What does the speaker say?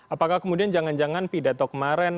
apakah kemudian jangan jangan pidato kemarin